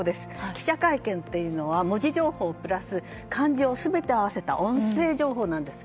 記者会見というのは文字情報プラス感情を全て合わせた音声情報なんです。